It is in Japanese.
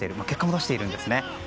結果も出しているんですね。